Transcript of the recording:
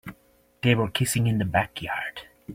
They were kissing in the backyard.